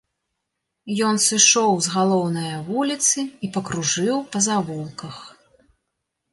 Ён сышоў з галоўнае вуліцы і пакружыў па завулках.